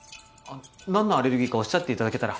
何のアレルギーかおっしゃっていただけたら。